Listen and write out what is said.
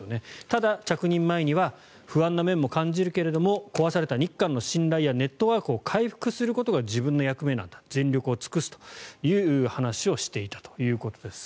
ただ、着任前には不安な面も感じるけれども壊された日韓の信頼やネットワークを回復することが自分の役目なんだ全力を尽くすという話をしていたということです。